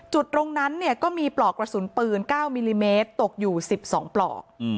จุดตรงนั้นเนี่ยก็มีปลอกกระสุนปืน๙มิลลิเมตรตกอยู่๑๒ปลอก